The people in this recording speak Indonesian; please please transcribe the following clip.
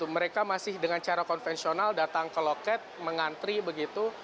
mereka masih dengan cara konvensional datang ke loket mengantri begitu